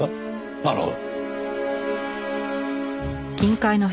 なるほど。